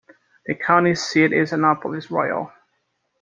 The county seat is Annapolis Royal.